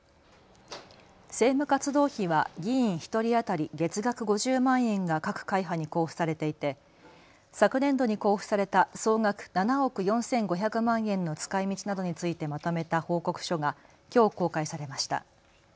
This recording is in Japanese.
政務活動費は議員１人当たり月額５０万円が各会派に交付されていて昨年度に交付された総額７億４５００万円の使いみちなどについてまとめた報告書がきょう公開されました。